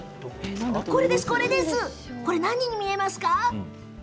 これ何に見えますか？